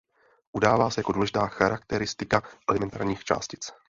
Udává se jako důležitá charakteristika elementárních částic.